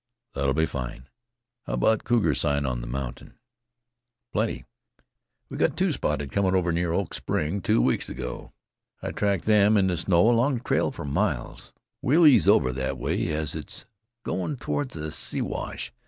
"That'll be fine. How about cougar sign on the mountain?" "Plenty. I've got two spotted near Clark Spring. Comin' over two weeks ago I tracked them in the snow along the trail for miles. We'll ooze over that way, as it's goin' toward the Siwash.